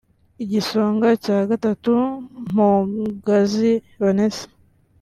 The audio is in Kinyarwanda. Igisonga cya Gatatu Mpogazi Vanessa